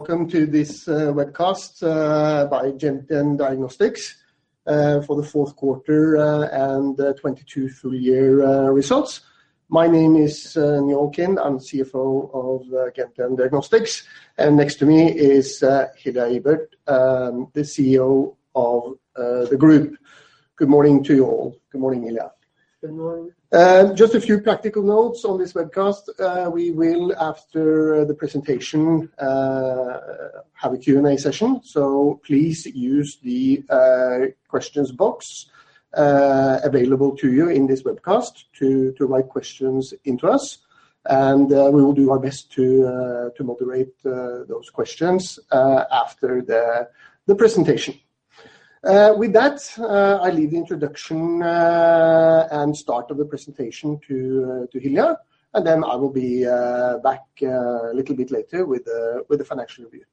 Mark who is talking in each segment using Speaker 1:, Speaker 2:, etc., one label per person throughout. Speaker 1: Welcome to this webcast by Gentian Diagnostics for the Fourth Quarter and the 2022 Full Year Results. My name is Njaal Kind. I'm CFO of Gentian Diagnostics, and next to me is Hilja Ibert, the CEO of the group. Good morning to you all. Good morning, Hilja.
Speaker 2: Good morning.
Speaker 1: Just a few practical notes on this webcast. We will, after the presentation, have a Q&A session, so please use the questions box available to you in this webcast to write questions into us, and we will do our best to moderate those questions after the presentation. With that, I leave the introduction and start of the presentation to Hilja, and then I will be back a little bit later with the financial review.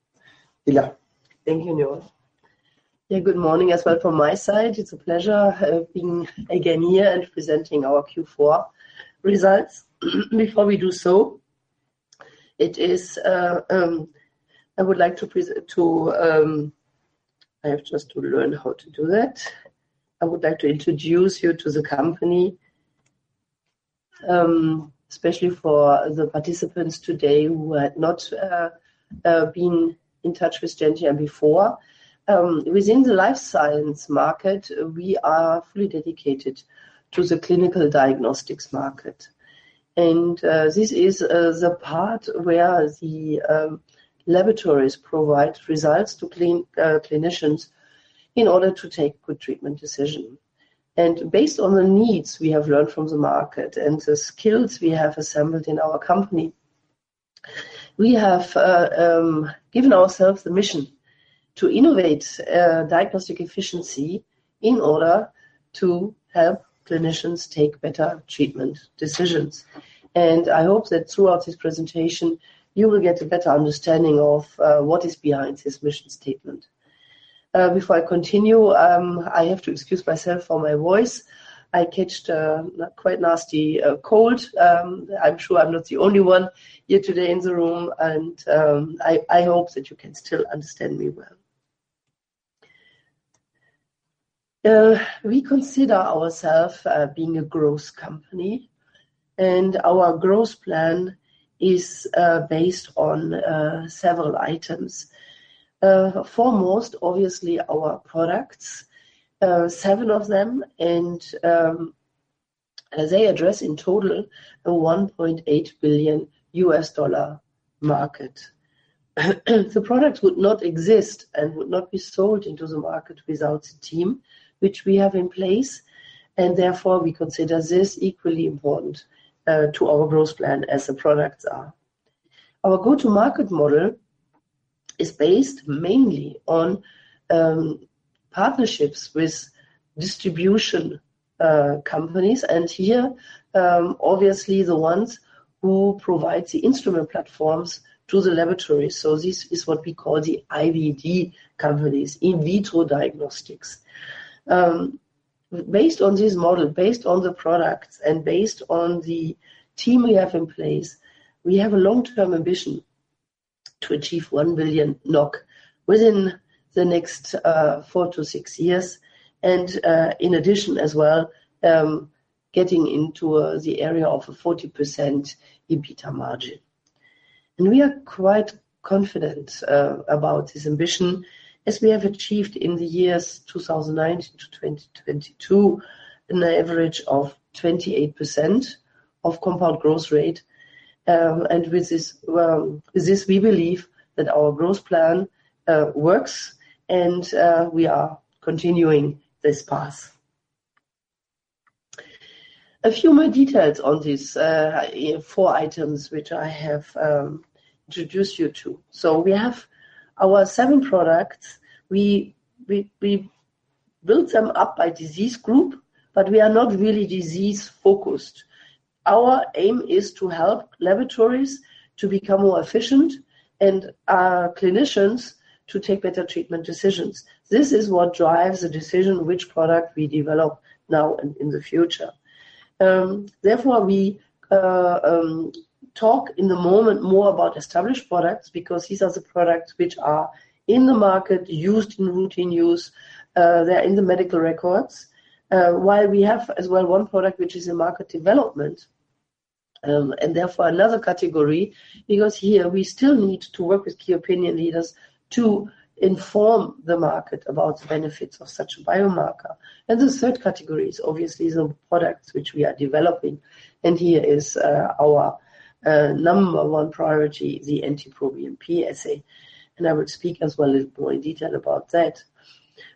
Speaker 1: Hilja.
Speaker 2: Thank you, Njaal. Yeah, good morning as well from my side. It's a pleasure being again here and presenting our Q4 results. Before we do so, I have just to learn how to do that. I would like to introduce you to the company, especially for the participants today who had not been in touch with Gentian before. Within the life science market, we are fully dedicated to the clinical diagnostics market. This is the part where the laboratories provide results to clinicians in order to take good treatment decision. Based on the needs we have learned from the market and the skills we have assembled in our company, we have given ourselves the mission to innovate diagnostic efficiency in order to help clinicians take better treatment decisions. I hope that throughout this presentation, you will get a better understanding of what is behind this mission statement. Before I continue, I have to excuse myself for my voice. I caught quite nasty cold. I'm sure I'm not the only one here today in the room, and I hope that you can still understand me well. We consider ourself being a growth company, and our growth plan is based on several items. Foremost, obviously, our products, seven of them, they address in total a $1.8 billion market. The product would not exist and would not be sold into the market without the team which we have in place, therefore, we consider this equally important to our growth plan as the products are. Our go-to-market model is based mainly on partnerships with distribution companies, here, obviously the ones who provide the instrument platforms to the laboratory. This is what we call the IVD companies, in vitro diagnostics. Based on this model, based on the products, and based on the team we have in place, we have a long-term ambition to achieve 1 billion NOK within the next four-six years, in addition as well, getting into the area of a 40% EBITDA margin. We are quite confident about this ambition as we have achieved in the years 2019-2022, an average of 28% of compound growth rate. With this, we believe that our growth plan works, and we are continuing this path. A few more details on these four items which I have introduced you to. We have our seven products. We build them up by disease group, but we are not really disease-focused. Our aim is to help laboratories to become more efficient and our clinicians to take better treatment decisions. This is what drives the decision which product we develop now and in the future. Therefore, we talk in the moment more about established products because these are the products which are in the market, used in routine use, they're in the medical records. While we have as well one product which is in market development, and therefore another category, because here we still need to work with key opinion leaders to inform the market about the benefits of such a biomarker. The third category is obviously the products which we are developing, and here is our number one priority, the NT-proBNP assay, and I would speak as well a little more in detail about that.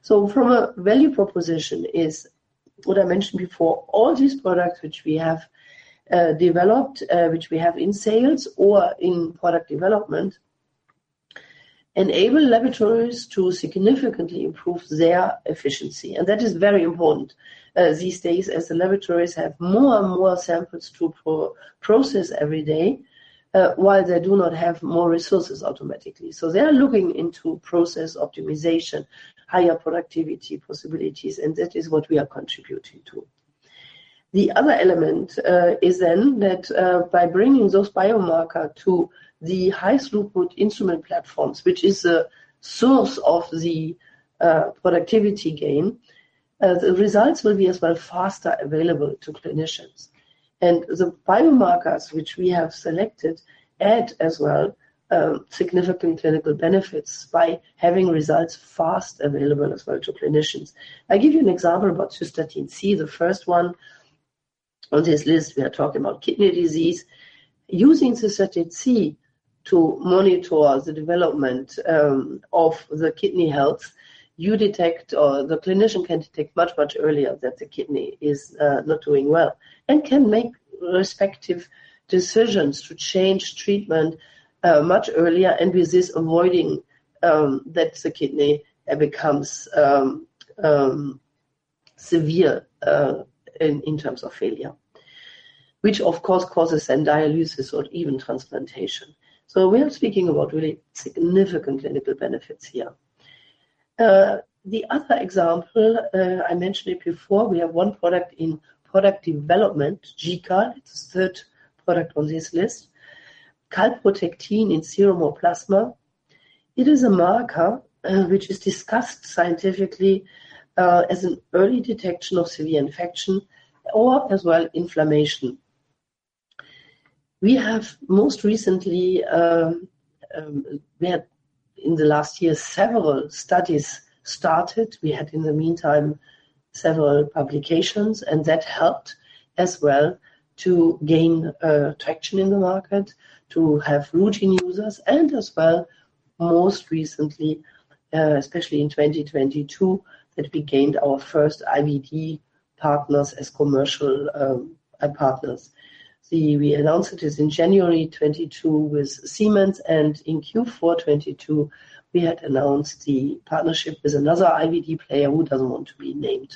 Speaker 2: From a value proposition is what I mentioned before, all these products which we have developed, which we have in sales or in product development, enable laboratories to significantly improve their efficiency. That is very important these days as the laboratories have more and more samples to process every day, while they do not have more resources automatically. They are looking into process optimization, higher productivity possibilities, and that is what we are contributing to. The other element is then that by bringing those biomarker to the high throughput instrument platforms, which is a source of the productivity gain, the results will be as well faster available to clinicians. The biomarkers which we have selected add as well significant clinical benefits by having results fast available as well to clinicians. I give you an example about Cystatin C, the first one on this list. We are talking about kidney disease. Using Cystatin C to monitor the development of the kidney health, you detect, or the clinician can detect much, much earlier that the kidney is not doing well, and can make respective decisions to change treatment much earlier, and with this avoiding that the kidney becomes severe in terms of failure. Of course causes then dialysis or even transplantation. We are speaking about really significant clinical benefits here. The other example, I mentioned it before, we have one product in product development, GCAL, it's the third product on this list. Calprotectin in serum or plasma. It is a marker which is discussed scientifically as an early detection of severe infection or as well inflammation. We had in the last year, several studies started. We had in the meantime, several publications, and that helped as well to gain traction in the market, to have routine users, and as well, most recently, especially in 2022, that we gained our first IVD partners as commercial partners. We announced it is in January 2022 with Siemens, and in Q4 2022, we had announced the partnership with another IVD player who doesn't want to be named.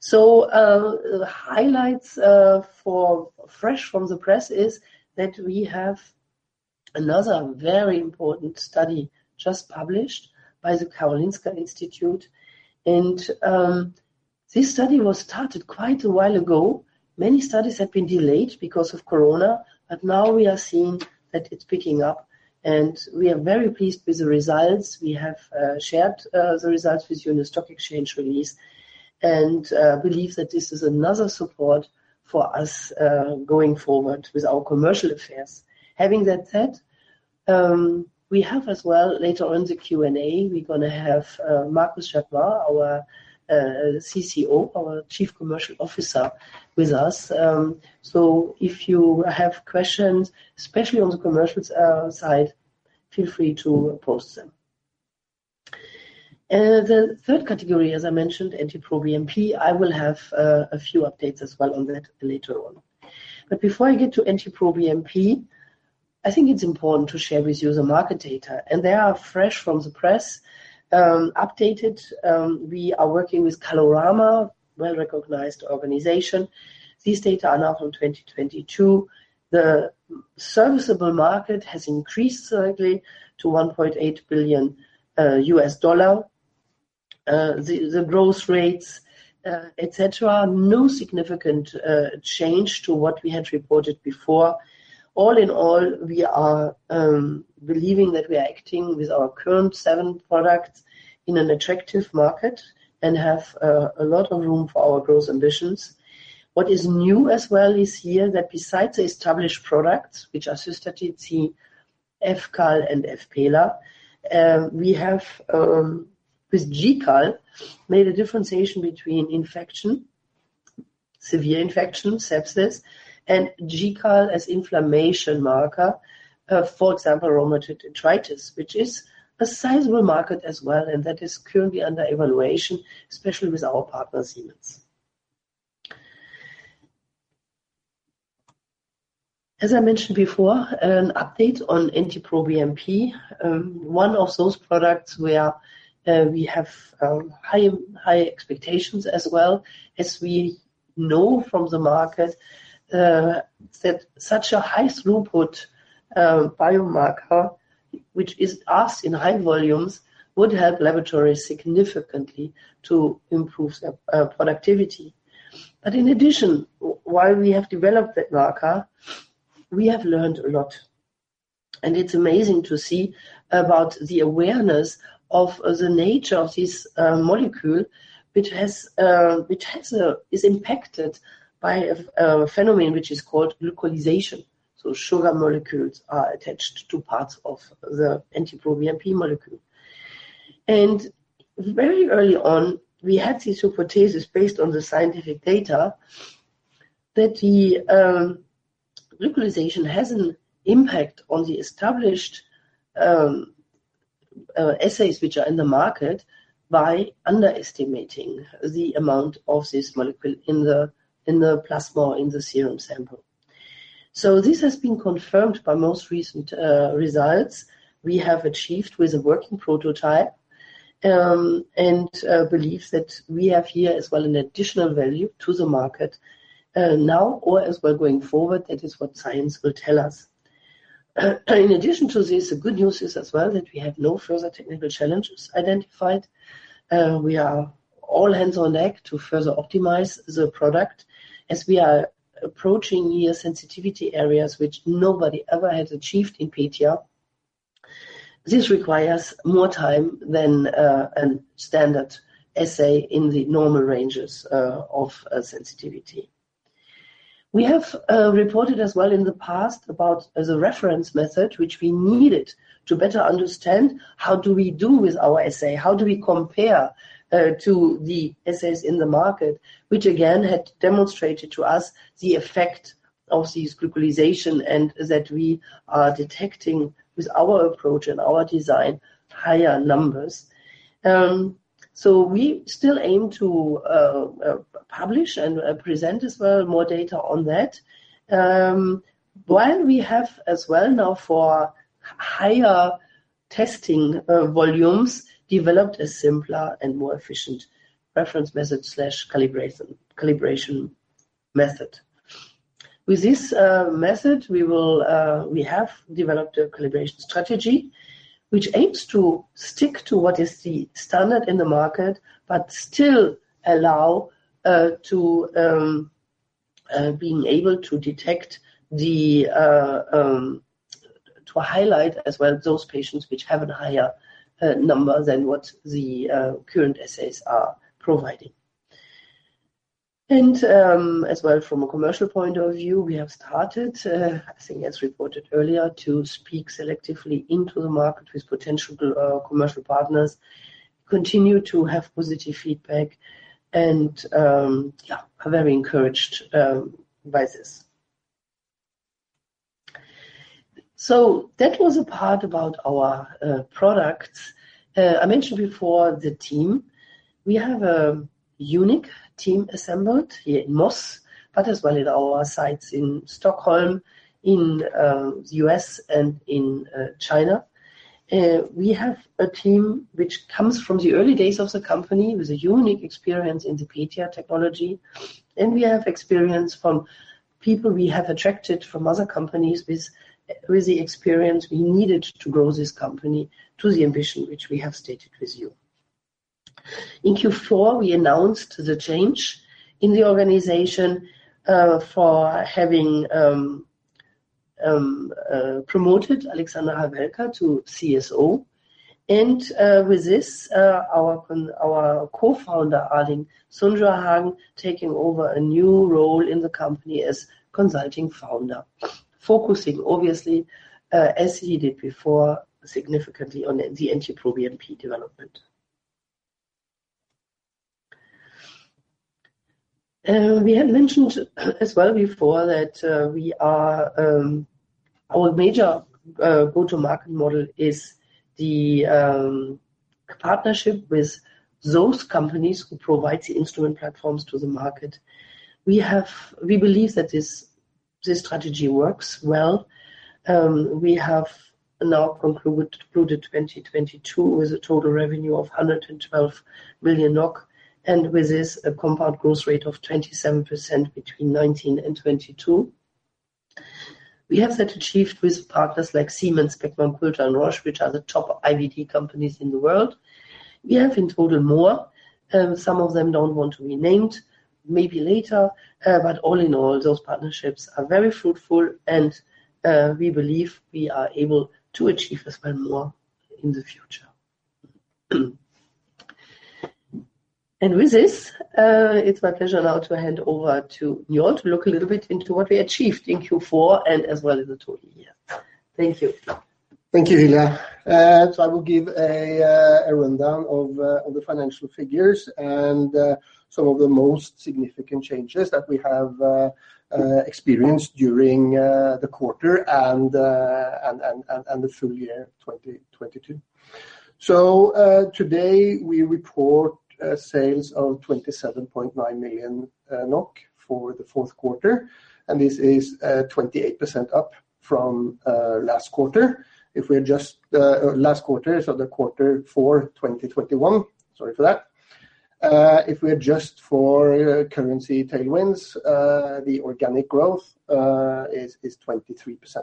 Speaker 2: The highlights for fresh from the press is that we have another very important study just published by the Karolinska Institutet. This study was started quite a while ago. Many studies have been delayed because of Corona, but now we are seeing that it's picking up, and we are very pleased with the results. We have shared the results with you in the stock exchange release, believe that this is another support for us going forward with our commercial affairs. Having that said, we have as well later on the Q&A, we're gonna have Markus Jaquemar, our CCO, our Chief Commercial Officer with us. If you have questions, especially on the commercials side, feel free to post them. The third category, as I mentioned, NT-proBNP, I will have a few updates as well on that later on. Before I get to NT-proBNP, I think it's important to share with you the market data, they are fresh from the press, updated. We are working with Kalorama, well-recognized organization. These data are now from 2022. The serviceable market has increased slightly to $1.8 billion. The growth rates, et cetera, no significant change to what we had reported before. All in all, we are believing that we are acting with our current seven products in an attractive market and have a lot of room for our growth ambitions. What is new as well is here that besides the established products, which are Cystatin C, fCAL, and fPELA, we have with GCAL, made a differentiation between infection, severe infection, sepsis, and GCAL as inflammation marker, for example, rheumatoid arthritis, which is a sizable market as well, and that is currently under evaluation, especially with our partner, Siemens. As I mentioned before, an update on NT-proBNP, one of those products where we have high expectations as well, as we know from the market, that such a high throughput biomarker, which is asked in high volumes, would help laboratories significantly to improve their productivity. In addition, while we have developed that marker, we have learned a lot. It's amazing to see about the awareness of the nature of this molecule, which is impacted by a phenomenon which is called glycosylation. Sugar molecules are attached to parts of the NT-proBNP molecule. Very early on, we had the hypothesis based on the scientific data that the glycosylation has an impact on the established assays which are in the market by underestimating the amount of this molecule in the plasma or in the serum sample. This has been confirmed by most recent results we have achieved with a working prototype and believe that we have here as well an additional value to the market now or as we're going forward, that is what science will tell us. In addition to this, the good news is as well that we have no further technical challenges identified. We are all hands on deck to further optimize the product as we are approaching near sensitivity areas which nobody ever has achieved in PETIA. This requires more time than a standard assay in the normal ranges of sensitivity. We have reported as well in the past about as a reference method, which we needed to better understand how do we do with our assay, how do we compare to the assays in the market, which again had demonstrated to us the effect of this glycosylation and that we are detecting with our approach and our design, higher numbers. We still aim to publish and present as well more data on that. While we have as well now for higher testing volumes, developed a simpler and more efficient reference method/calibration method. With this method, we have developed a calibration strategy which aims to stick to what is the standard in the market but still allow to being able to detect the to highlight as well those patients which have an higher number than what the current assays are providing. As well, from a commercial point of view, we have started, I think as reported earlier, to speak selectively into the market with potential commercial partners, continue to have positive feedback, are very encouraged by this. That was a part about our products. I mentioned before the team. We have a unique team assembled here in Moss, but as well at our sites in Stockholm, in the U.S., and in China. We have a team which comes from the early days of the company with a unique experience in the PETIA technology, and we have experience from people we have attracted from other companies with the experience we needed to grow this company to the ambition which we have stated with you. In Q4, we announced the change in the organization for having promoted Aleksandra Havelka to CSO. With this, our co-founder, Erling Sundrehagen, taking over a new role in the company as consulting founder, focusing obviously, as he did before, significantly on the NT-proBNP development. We had mentioned as well before that we are our major go-to-market model is the partnership with those companies who provide the instrument platforms to the market. We believe that this strategy works well. We have now concluded 2022 with a total revenue of 112 million NOK, and with this, a compound growth rate of 27% between 2019 and 2022. We have that achieved with partners like Siemens, Beckman Coulter, and Roche, which are the top IVD companies in the world. We have in total more, some of them don't want to be named, maybe later. All in all, those partnerships are very fruitful and we believe we are able to achieve as well more in the future. With this, it's my pleasure now to hand over to Njaal to look a little bit into what we achieved in Q4 and as well as the total year. Thank you.
Speaker 1: Thank you, Hilja. I will give a rundown of the financial figures and some of the most significant changes that we have experienced during the quarter and the full year 2022. Today we report sales of 27.9 million NOK for the fourth quarter, and this is 28% up from last quarter. If we adjust last quarter, so the quarter for 2021. Sorry for that. If we adjust for currency tailwinds, the organic growth is 23%.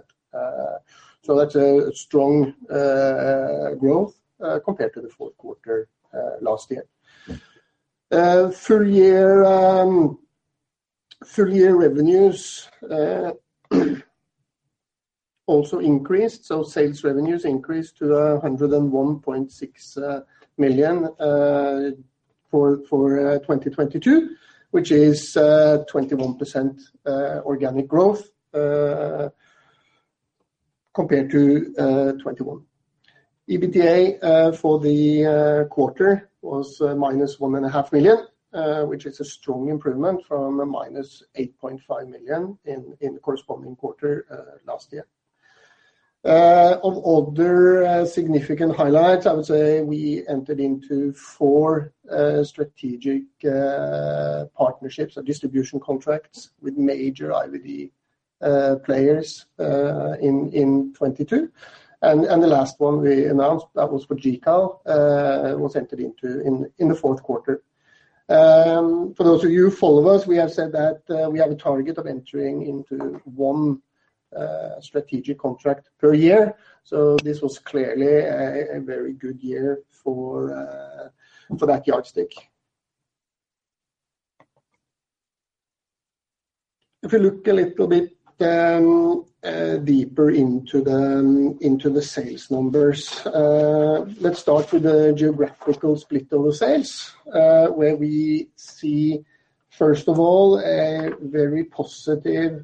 Speaker 1: That's a strong growth compared to the fourth quarter last year. Full year revenues also increased. Sales revenues increased to 101.6 million for 2022, which is 21% organic growth compared to 2021. EBITDA for the quarter was -1.5 million, which is a strong improvement from -8.5 million in the corresponding quarter last year. Of other significant highlights, I would say we entered into four strategic partnerships or distribution contracts with major IVD players in 2022. The last one we announced, that was for GCAL, was entered into in the fourth quarter. For those of you who follow us, we have said that we have a target of entering into one strategic contract per year. This was clearly a very good year for that yardstick. If we look a little bit deeper into the sales numbers, let's start with the geographical split of the sales, where we see, first of all, a very positive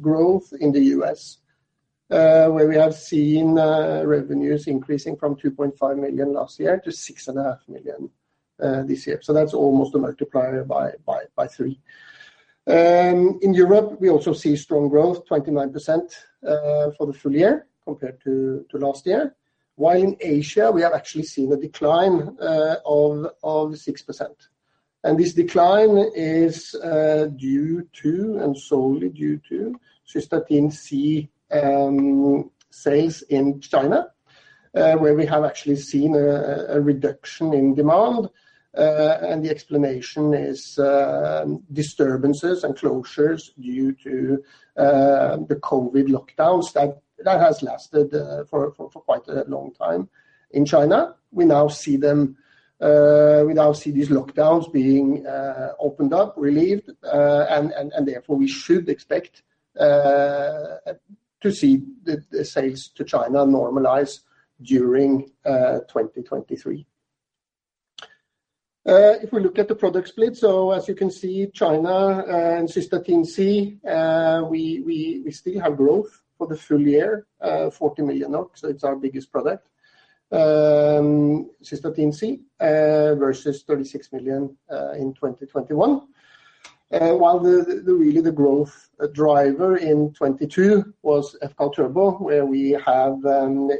Speaker 1: growth in the U.S., where we have seen revenues increasing from $2.5 million last year to $6.5 million this year. That's almost a multiplier by three. In Europe, we also see strong growth, 29% for the full year compared to last year, while in Asia, we have actually seen a decline of 6%. This decline is due to, and solely due to, Cystatin C sales in China, where we have actually seen a reduction in demand. The explanation is disturbances and closures due to the COVID lockdowns that has lasted for quite a long time in China. We now see these lockdowns being opened up, relieved, and therefore we should expect to see the sales to China normalize during 2023. If we look at the product split, as you can see, China and Cystatin C, we still have growth for the full year, 40 million NOK, so it's our biggest product. Cystatin C versus 36 million NOK in 2021. While the really the growth driver in 2022 was fCAL turbo, where we have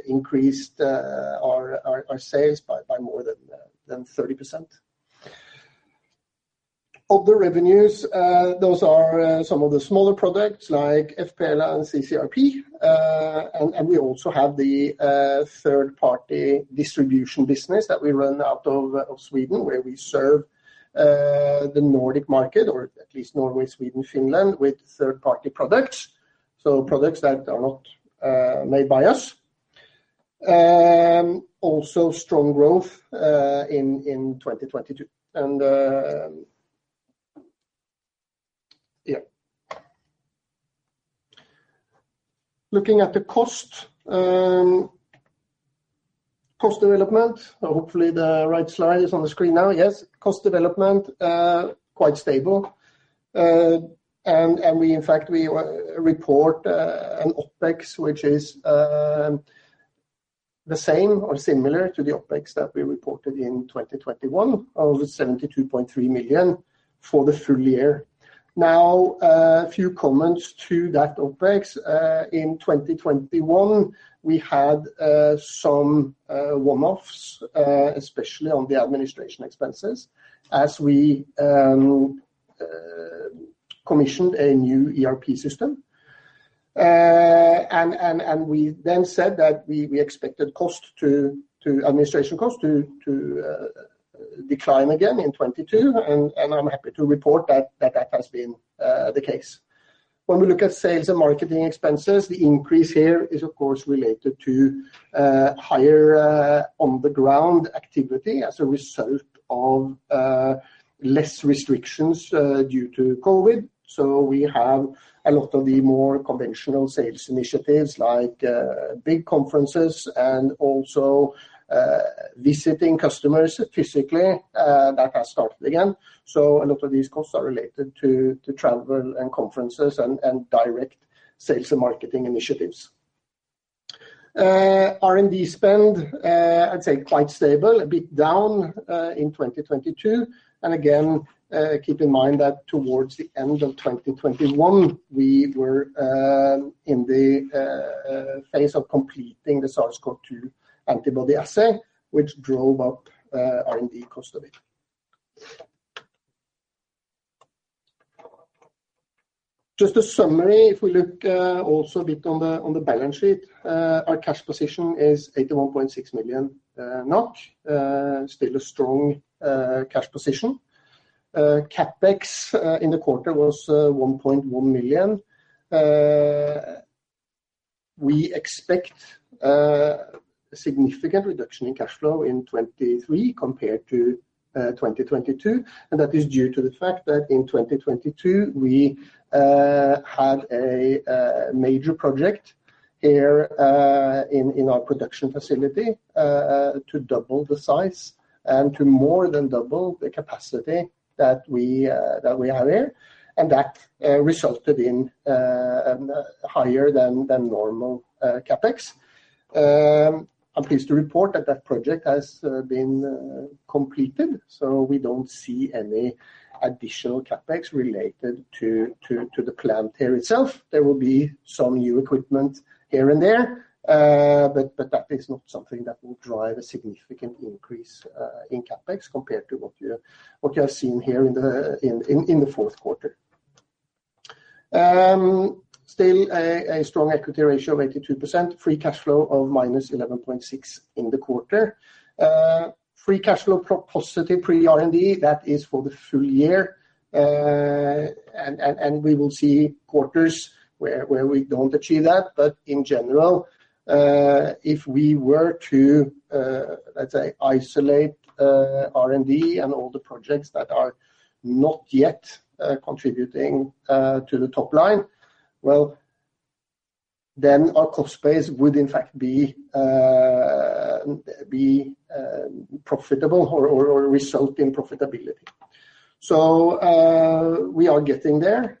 Speaker 1: increased our sales by more than 30%. Other revenues, those are some of the smaller products like fPELA and cCRP, and we also have the third-party distribution business that we run out of Sweden, where we serve the Nordic market, or at least Norway, Sweden, Finland, with third-party products, so products that are not made by us. Also strong growth in 2022. Looking at the cost development. Hopefully the right slide is on the screen now. Yes. Cost development, quite stable. We in fact, we report an OpEx which is the same or similar to the OpEx that we reported in 2021 of 72.3 million for the full year. Now, a few comments to that OpEx. In 2021, we had some one-offs, especially on the administration expenses as we commissioned a new ERP system. We then said that we expected administration costs to decline again in 2022, and I'm happy to report that that has been the case. When we look at sales and marketing expenses, the increase here is of course related to higher on the ground activity as a result of less restrictions due to COVID. We have a lot of the more conventional sales initiatives like big conferences and also visiting customers physically that has started again. A lot of these costs are related to travel and conferences and direct sales and marketing initiatives. R&D spend, I'd say quite stable, a bit down in 2022. Again, keep in mind that towards the end of 2021, we were in the phase of completing the SARS-CoV-2 antibody assay, which drove up R&D cost a bit. Just a summary, if we look also a bit on the balance sheet, our cash position is 81.6 million NOK, still a strong cash position. CapEx in the quarter was 1.1 million NOK. We expect significant reduction in cash flow in 2023 compared to 2022, and that is due to the fact that in 2022, we had a major project here in our production facility to double the size and to more than double the capacity that we have here. That resulted in higher than normal CapEx. I'm pleased to report that that project has been completed. We don't see any additional CapEx related to the plant here itself. There will be some new equipment here and there, but that is not something that will drive a significant increase in CapEx compared to what you have seen here in the fourth quarter. Still a strong equity ratio of 82%. Free cash flow of -11.6 in the quarter. Free cash flow pro-positive pre-R&D, that is for the full year. We will see quarters where we don't achieve that. In general, if we were to, let's say, isolate R&D and all the projects that are not yet contributing to the top line, well, then our cost base would in fact be profitable or result in profitability. We are getting there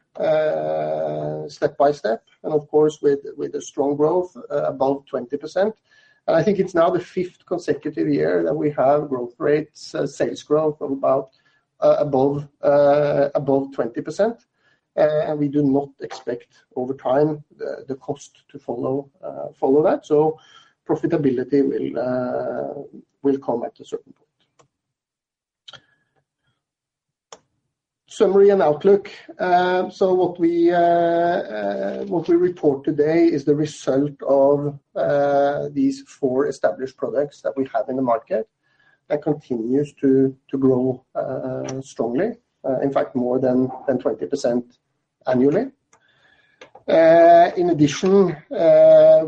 Speaker 1: step by step, and of course, with the strong growth above 20%. I think it's now the fifth consecutive year that we have growth rates, sales growth of about above 20%. We do not expect over time the cost to follow that, so profitability will come at a certain point. Summary and outlook. What we report today is the result of these four established products that we have in the market that continues to grow strongly, in fact, more than 20% annually. In addition,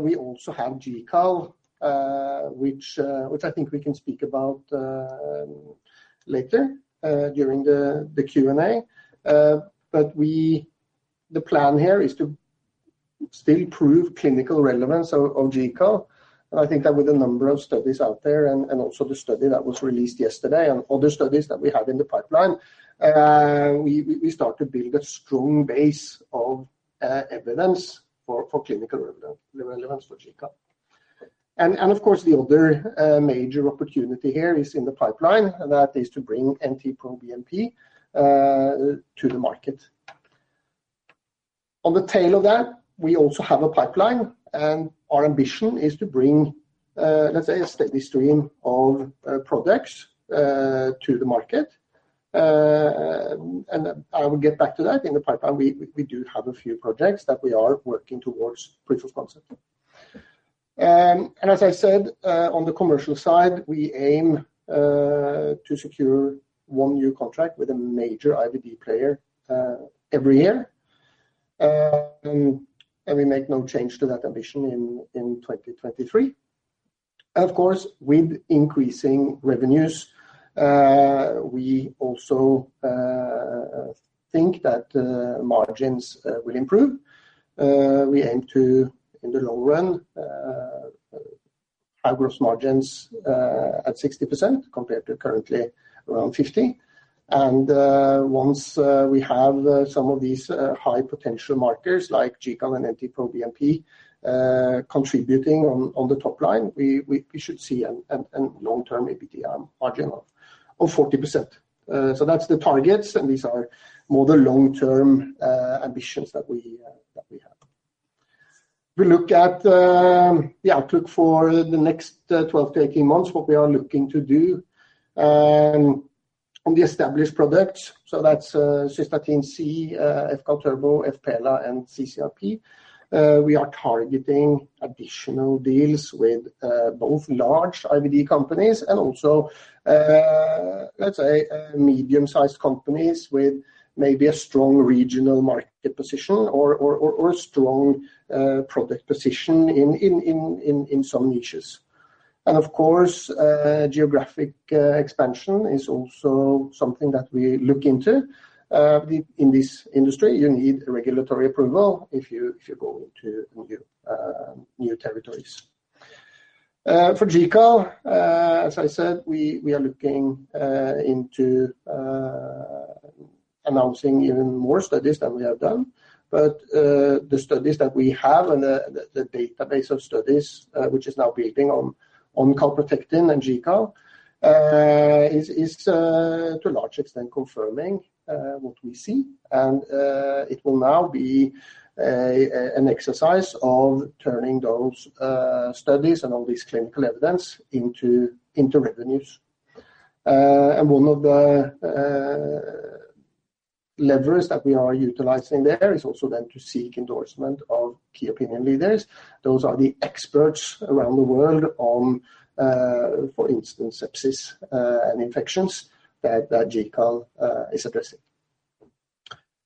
Speaker 1: we also have GCAL, which I think we can speak about later during the Q&A. But the plan here is to still prove clinical relevance of GCAL. I think that with a number of studies out there and also the study that was released yesterday and other studies that we have in the pipeline, we start to build a strong base of evidence for clinical relevance for GCAL. Of course, the other major opportunity here is in the pipeline, and that is to bring NT-proBNP to the market. On the tail of that, we also have a pipeline, and our ambition is to bring, let's say, a steady stream of products to the market. I will get back to that. In the pipeline, we do have a few projects that we are working towards proof of concept. As I said, on the commercial side, we aim to secure one new contract with a major IVD player every year. We make no change to that ambition in 2023. Of course, with increasing revenues, we also think that margins will improve. We aim to, in the long run, have gross margins at 60% compared to currently around 50%. Once we have some of these high potential markers like GCAL and NT-proBNP contributing on the top line, we should see a long-term EBITDA margin of 40%. So that's the targets, these are more the long-term ambitions that we have. We look at the outlook for the next 12-18 months, what we are looking to do on the established products. That's Cystatin C, fCAL turbo, fPELA, and cCRP. We are targeting additional deals with both large IVD companies and also, let's say, medium-sized companies with maybe a strong regional market position or a strong product position in some niches. Of course, geographic expansion is also something that we look into. In this industry, you need regulatory approval if you go into new territories. For GCAL, as I said, we are looking into announcing even more studies than we have done. The studies that we have and the database of studies, which is now building on calprotectin and GCAL, is to a large extent confirming what we see. It will now be an exercise of turning those studies and all this clinical evidence into revenues. One of the levers that we are utilizing there is also then to seek endorsement of key opinion leaders. Those are the experts around the world on, for instance, sepsis and infections that GCAL is addressing.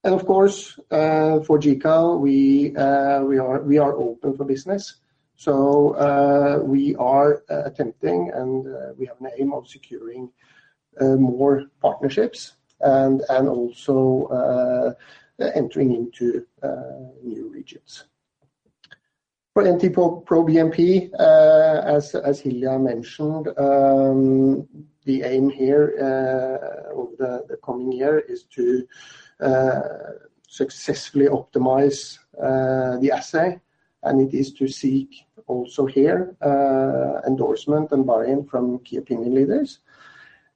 Speaker 1: Of course, for GCAL, we are open for business. We are attempting, and we have an aim of securing more partnerships and also entering into new regions. For NT-proBNP, as Hilja mentioned, the aim here, over the coming year is to successfully optimize the assay, and it is to seek also here, endorsement and buy-in from key opinion leaders.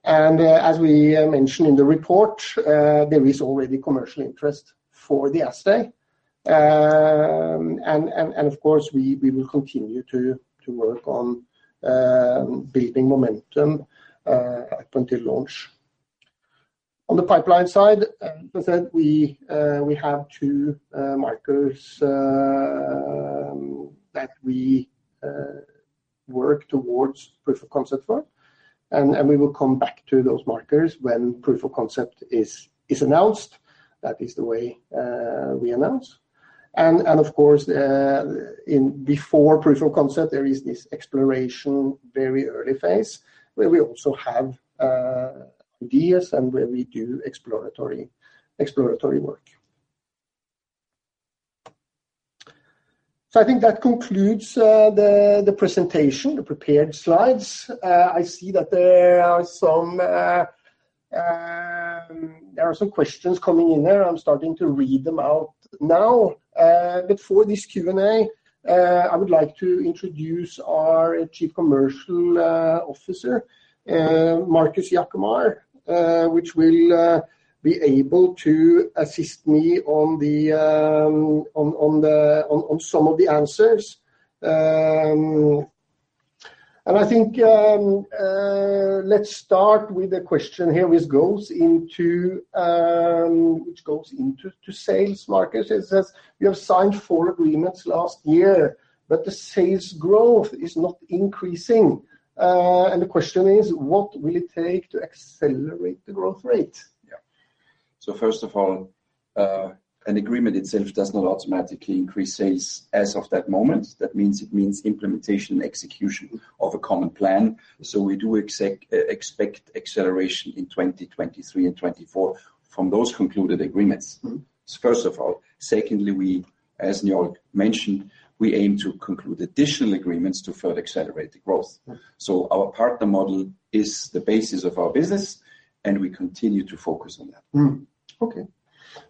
Speaker 1: As we mentioned in the report, there is already commercial interest for the assay. Of course, we will continue to work on building momentum up until launch. On the pipeline side, as I said, we have two markers that we work towards proof of concept for, and we will come back to those markers when proof of concept is announced. That is the way we announce. Of course, in before proof of concept, there is this exploration, very early phase, where we also have ideas and where we do exploratory work. I think that concludes the presentation, the prepared slides. I see that there are some questions coming in here. I'm starting to read them out now. Before this Q&A, I would like to introduce our Chief Commercial Officer, Markus Jaquemar, which will be able to assist me on the answers. I think let's start with a question here which goes into sales markets. It says, you have signed four agreements last year, but the sales growth is not increasing. The question is, what will it take to accelerate the growth rate?
Speaker 3: Yeah. First of all, an agreement itself does not automatically increase sales as of that moment. That means it means implementation, execution of a common plan. We do expect acceleration in 2023 and 2024 from those concluded agreements. First of all. Secondly, we, as Njaal mentioned, we aim to conclude additional agreements to further accelerate the growth.
Speaker 1: Yeah.
Speaker 3: Our partner model is the basis of our business, and we continue to focus on that.
Speaker 1: Okay.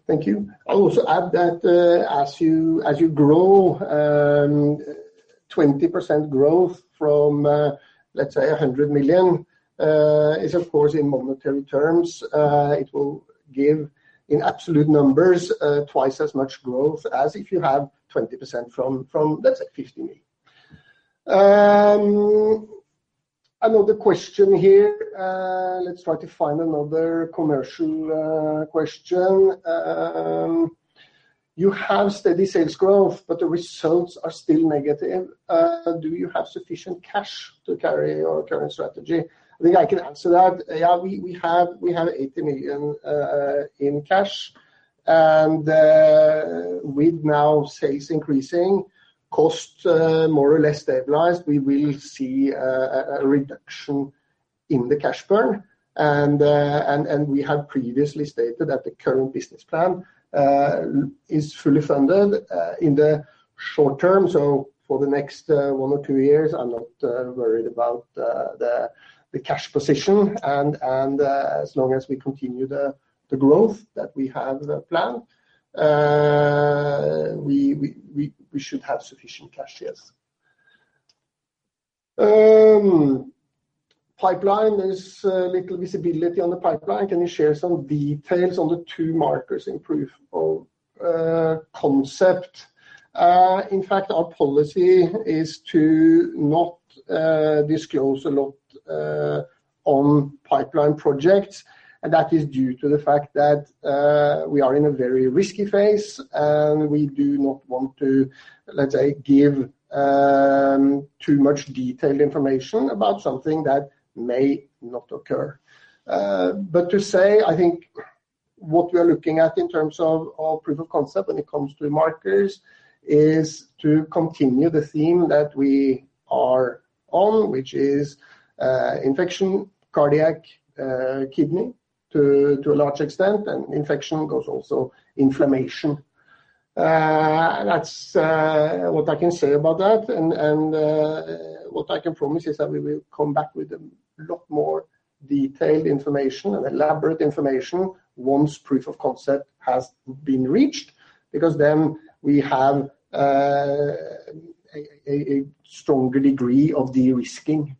Speaker 1: Thank you. I would also add that, as you, as you grow, 20% growth from, let's say 100 million, is of course in monetary terms, it will give in absolute numbers, twice as much growth as if you have 20% from, let's say 50 million. Another question here, let's try to find another commercial question. You have steady sales growth, but the results are still negative. Do you have sufficient cash to carry your current strategy? I think I can answer that. Yeah, we have 80 million in cash, and with now sales increasing, costs more or less stabilized, we will see a reduction in the cash burn. We have previously stated that the current business plan is fully funded in the short term. For the next one or two years, I'm not worried about the cash position and as long as we continue the growth that we have planned, we should have sufficient cash, yes. Pipeline, there's little visibility on the pipeline. Can you share some details on the two markers in proof of concept? In fact, our policy is to not disclose a lot on pipeline projects, and that is due to the fact that we are in a very risky phase, and we do not want to, let's say, give too much detailed information about something that may not occur. To say, I think what we are looking at in terms of proof of concept when it comes to the markers is to continue the theme that we are on, which is infection, cardiac, kidney to a large extent, and infection goes also inflammation. That's what I can say about that. What I can promise is that we will come back with a lot more detailed information and elaborate information once proof of concept has been reached, because then we have a stronger degree of de-risking.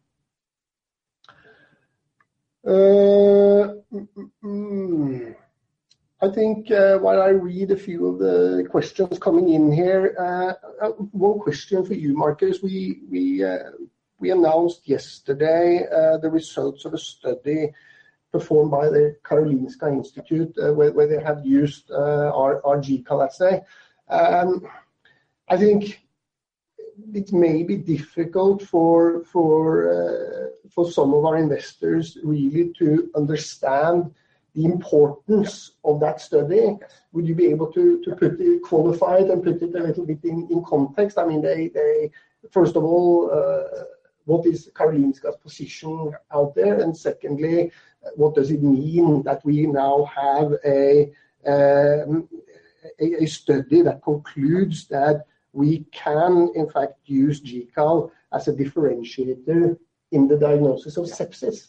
Speaker 1: I think while I read a few of the questions coming in here, one question for you, Markus. We announced yesterday the results of a study performed by the Karolinska Institutet, where they have used our GCAL assay. I think it may be difficult for, for some of our investors really to understand the importance of that study. Would you be able to qualify it and put it a little bit in context? I mean, they First of all, what is Karolinska's position out there? Secondly, what does it mean that we now have a study that concludes that we can in fact use GCAL as a differentiator in the diagnosis of sepsis?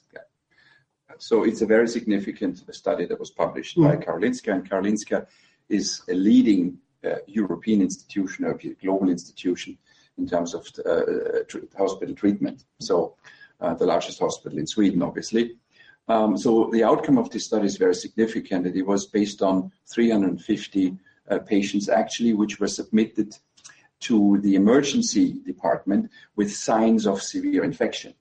Speaker 3: It's a very significant study that was published by Karolinska. Karolinska is a leading European institution, a global institution in terms of hospital treatment. The largest hospital in Sweden, obviously. The outcome of this study is very significant. It was based on 350 patients actually, which were submitted to the emergency department with signs of severe infection.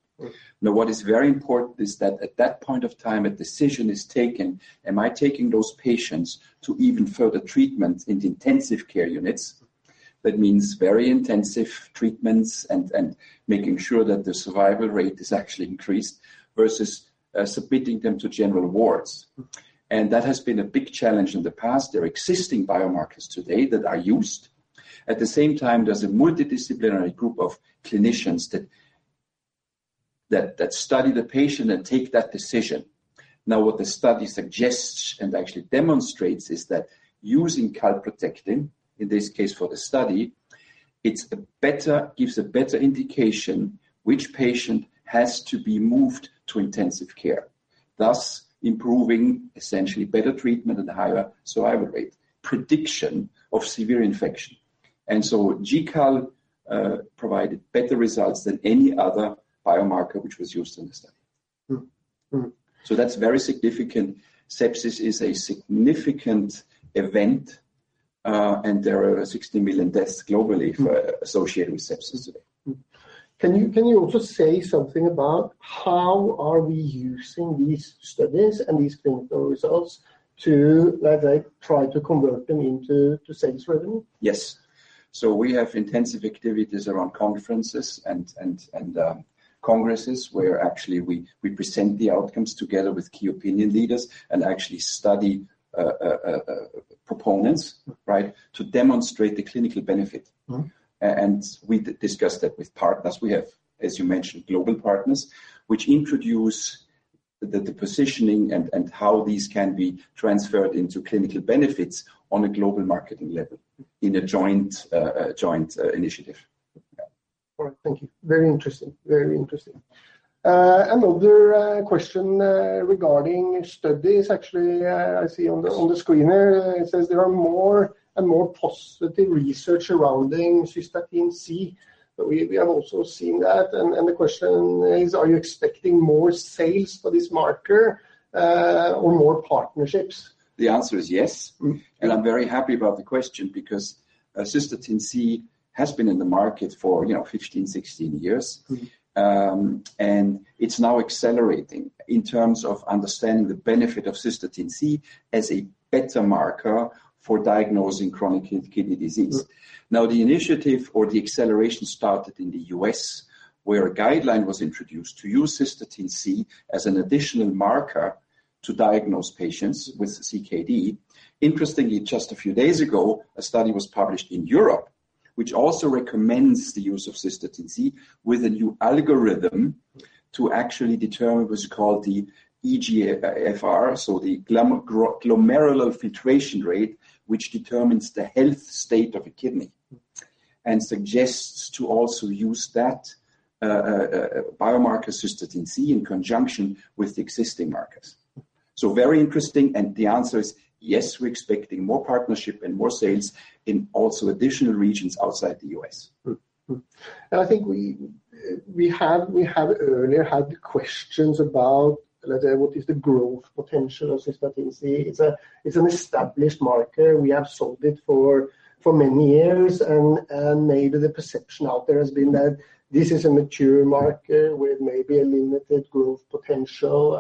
Speaker 3: What is very important is that at that point of time, a decision is taken. Am I taking those patients to even further treatment in the intensive care units? That means very intensive treatments and making sure that the survival rate is actually increased versus submitting them to general wards. That has been a big challenge in the past. There are existing biomarkers today that are used. At the same time, there's a multidisciplinary group of clinicians that study the patient and take that decision. What the study suggests and actually demonstrates is that using calprotectin, in this case for the study, gives a better indication which patient has to be moved to intensive care, thus improving essentially better treatment and higher survival rate, prediction of severe infection. GCAL provided better results than any other biomarker which was used in the study. That's very significant. Sepsis is a significant event, and there are 60 million deaths globally for associated with Sepsis today.
Speaker 1: Can you also say something about how are we using these studies and these clinical results to, let's say, try to convert them into, to sales revenue?
Speaker 3: Yes. We have intensive activities around conferences and congresses, where actually we present the outcomes together with key opinion leaders and actually study proponents, right, to demonstrate the clinical benefit. We discuss that with partners. We have, as you mentioned, global partners which introduce the positioning and how these can be transferred into clinical benefits on a global marketing level in a joint initiative.
Speaker 1: All right. Thank you. Very interesting. Very interesting. Another question regarding studies, actually, I see on the, on the screen here. It says there are more and more positive research around Cystatin C. We have also seen that, and the question is, are you expecting more sales for this marker or more partnerships?
Speaker 3: The answer is yes. I'm very happy about the question because Cystatin C has been in the market for, you know, 15, 16 years. It's now accelerating in terms of understanding the benefit of Cystatin C as a better marker for diagnosing chronic kidney disease. The initiative or the acceleration started in the U.S., where a guideline was introduced to use Cystatin C as an additional marker to diagnose patients with CKD. Interestingly, just a few days ago, a study was published in Europe, which also recommends the use of Cystatin C with a new algorithm to actually determine what's called the eGFR, so the glomerular filtration rate, which determines the health state of a kidney. Suggests to also use that, biomarker, Cystatin C, in conjunction with existing markers. Very interesting. The answer is yes, we're expecting more partnership and more sales in also additional regions outside the U.S.
Speaker 1: I think we have earlier had questions about, let's say, what is the growth potential of Cystatin C. It's an established marker. We have sold it for many years, and maybe the perception out there has been that this is a mature marker with maybe a limited growth potential.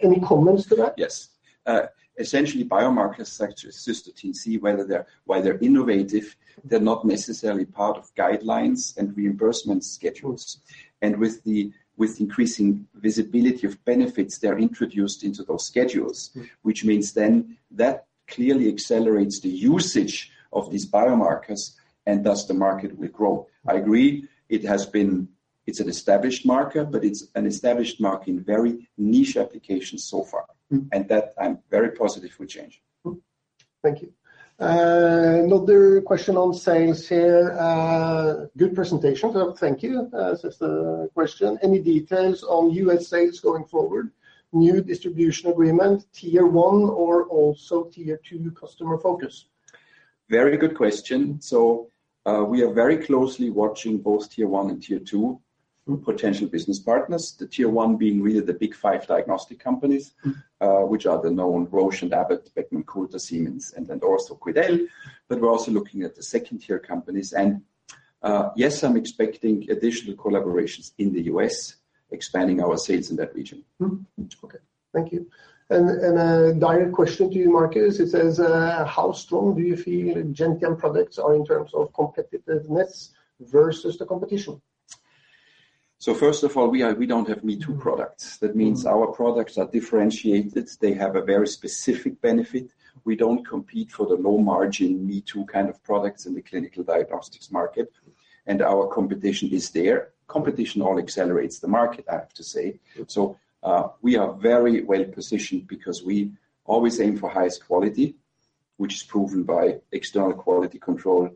Speaker 1: Any comments to that?
Speaker 3: Yes. Essentially, biomarkers such as Cystatin C, while they're innovative, they're not necessarily part of guidelines and reimbursement schedules. With increasing visibility of benefits, they're introduced into those schedules which means then that clearly accelerates the usage of these biomarkers, thus the market will grow. I agree it's an established marker. It's an established marker in very niche applications so far. That I'm very positive will change.
Speaker 1: Thank you. Another question on sales here. Good presentation. Thank you. Says the question, any details on U.S. sales going forward, new distribution agreement, tier one or also tier two customer focus?
Speaker 3: Very good question. We are very closely watching both tier one and tier two potential business partners. The tier one being really the big five diagnostic companies which are the known Roche and Abbott, Beckman Coulter, Siemens, and then also Quidel. We're also looking at the second-tier companies. Yes, I'm expecting additional collaborations in the U.S., expanding our sales in that region.
Speaker 1: Okay. Thank you. A direct question to you, Marcus. It says, how strong do you feel Gentian products are in terms of competitiveness versus the competition?
Speaker 3: First of all, we don't have me-too products. That means our products are differentiated. They have a very specific benefit. We don't compete for the low-margin, me-too kind of products in the clinical diagnostics market. Our competition is there. Competition all accelerates the market, I have to say. We are very well-positioned because we always aim for highest quality. Which is proven by external quality control,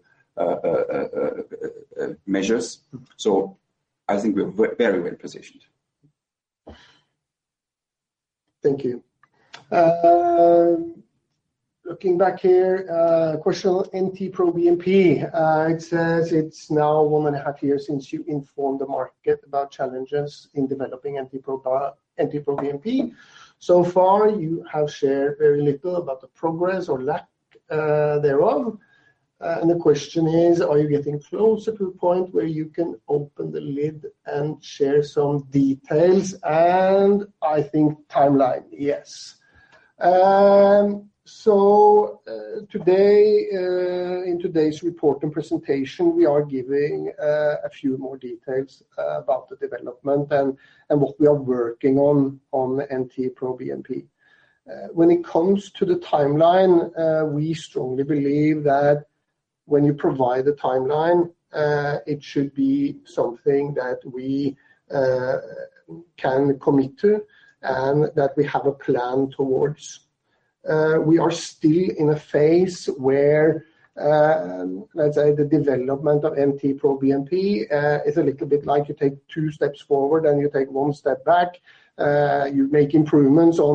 Speaker 3: measures. I think we're very well-positioned.
Speaker 1: Thank you. Looking back here, a question on NT-proBNP. It says it's now 1.5 years since you informed the market about challenges in developing NT-proBNP. Far, you have shared very little about the progress or lack thereof. The question is, are you getting closer to a point where you can open the lid and share some details, and I think timeline, yes. Today, in today's report and presentation, we are giving a few more details about the development and what we are working on NT-proBNP. When it comes to the timeline, we strongly believe that when you provide a timeline, it should be something that we can commit to and that we have a plan towards. We are still in a phase where, let's say, the development of NT-proBNP is a little bit like you take two steps forward and you take one step back. You make improvements on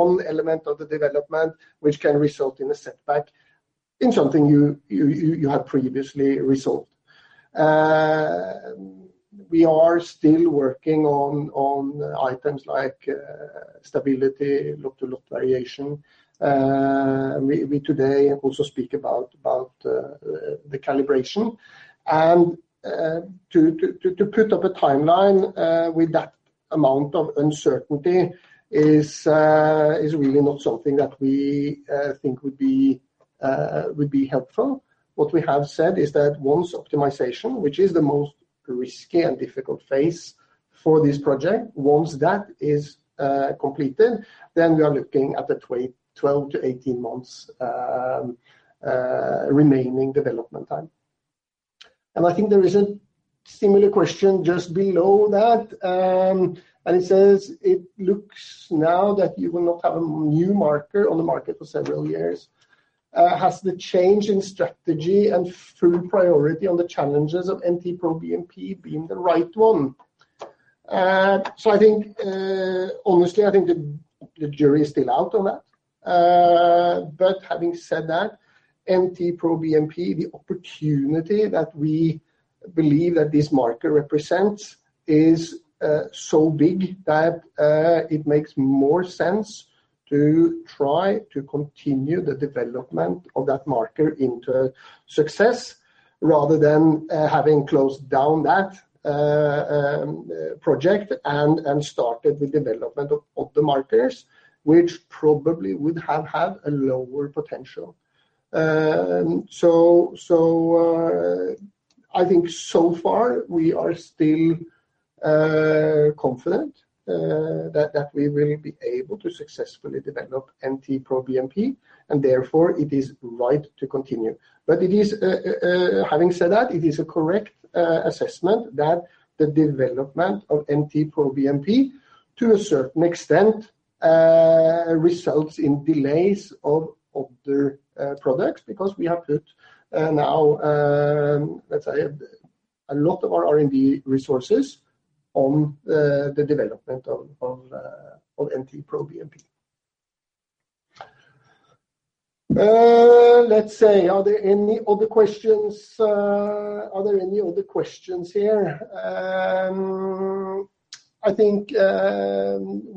Speaker 1: one element of the development, which can result in a setback in something you had previously resolved. We are still working on items like stability, lot-to-lot variation. We today also speak about the calibration. To put up a timeline with that amount of uncertainty is really not something that we think would be helpful. What we have said is that once optimization, which is the most risky and difficult phase for this project, once that is completed, then we are looking at a 12 to 18 months remaining development time. I think there is a similar question just below that. It says, it looks now that you will not have a new marker on the market for several years. Has the change in strategy and full priority on the challenges of NT-proBNP been the right one? I think, honestly, I think the jury is still out on that. Having said that, NT-proBNP, the opportunity that we believe that this marker represents is so big that it makes more sense to try to continue the development of that marker into success rather than having closed down that project and started the development of the markers, which probably would have had a lower potential. I think so far we are still confident that we will be able to successfully develop NT-proBNP, and therefore it is right to continue. Having said that, it is a correct assessment that the development of NT-proBNP to a certain extent results in delays of the products because we have put now, let's say a lot of our R&D resources on the development of NT-proBNP. Let's see. Are there any other questions here? I think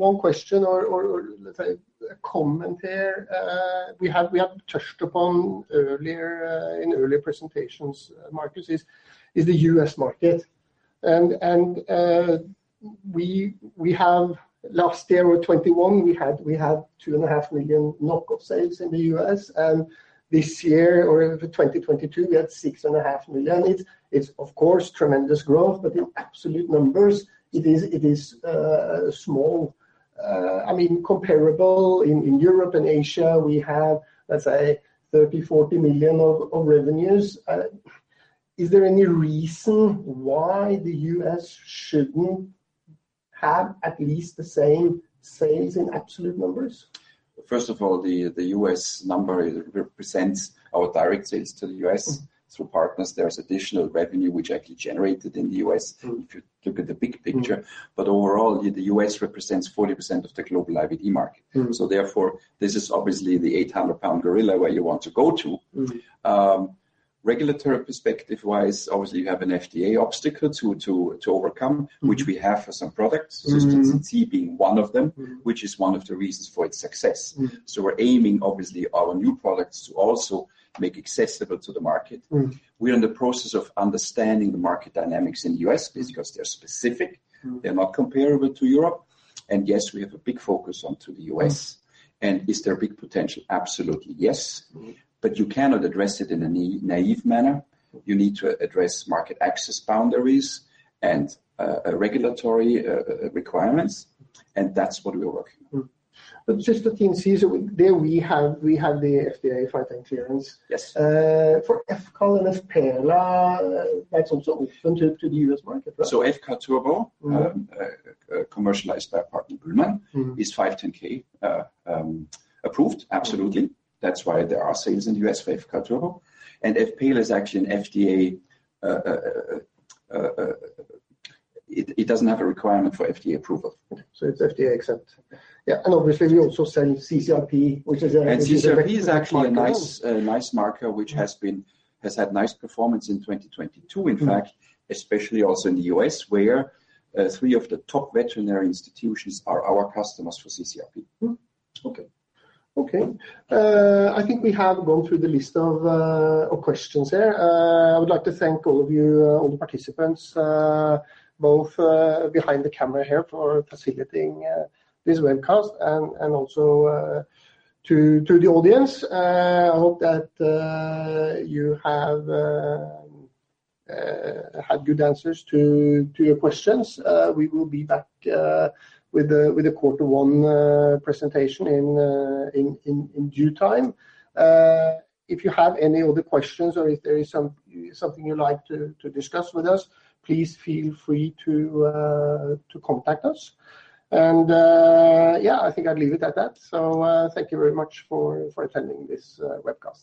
Speaker 1: one question or let's say a comment here, we have touched upon earlier in earlier presentations, Markus, is the U.S. market. We have last year or 2021, we had $2.5 million local sales in the U.S. This year or in 2022, we had $6.5 million. It's of course, tremendous growth, but in absolute numbers, it is small. I mean, comparable in Europe and Asia, we have, let's say, $30 million-$40 million of revenues. Is there any reason why the U.S. shouldn't have at least the same sales in absolute numbers?
Speaker 3: First of all, the U.S. number represents our direct sales to the U.S. through partners. There's additional revenue which actually generated in the U.S. If you look at the big picture. Overall, the U.S. represents 40% of the global IVD market. Therefore, this is obviously the 800-pound gorilla where you want to go to. Regulatory perspective-wise, obviously, you have an FDA obstacle to overcome. Which we have for some products. Cystatin C being one of them which is one of the reasons for its success. We're aiming, obviously, our new products to also make accessible to the market. We're in the process of understanding the market dynamics in the U.S. because they're specific. They're not comparable to Europe. Yes, we have a big focus onto the US. Is there a big potential? Absolutely, yes. You cannot address it in a naive manner. You need to address market access boundaries and regulatory requirements, and that's what we're working on.
Speaker 1: Just the thing, Cesar, there we have the FDA 510(k) clearance.
Speaker 3: Yes.
Speaker 1: For fCAL and fPELA, that's also open to the U.S. market, right?
Speaker 3: fCAL turbo commercialized by partner BÜHLMANN is 510(k) approved, absolutely. That's why there are sales in the U.S. for fCAL turbo. fPELA is actually an FDA. It doesn't have a requirement for FDA approval.
Speaker 1: It's FDA exempt. Yeah. Obviously, we also sell cCRP, which is. cCRP is actually a nice, a nice marker which has had nice performance in 2022, in fact. Especially also in the U.S., where three of the top veterinary institutions are our customers for cCRP. Okay. Okay. I think we have gone through the list of questions here. I would like to thank all of you, all the participants, both behind the camera here for facilitating this webcast and also to the audience. I hope that you have had good answers to your questions. We will be back with the quarter one presentation in due time. If you have any other questions or if there is something you'd like to discuss with us, please feel free to contact us. Yeah, I think I'll leave it at that. Thank you very much for attending this webcast.